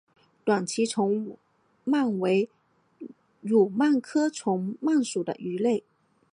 短鳍虫鳗为蠕鳗科虫鳗属的鱼类。